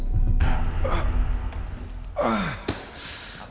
aku mau ke rumah